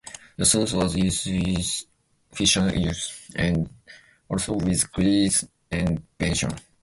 The sauce was used with fish and eels, and also with geese and venison.